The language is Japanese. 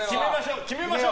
決めましょう！